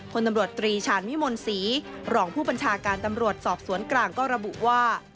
คนตำรวจตรีชาญวิมลศรีรองผู้บัญชาการตำรวจสอบสวนกลางก็ระบุว่า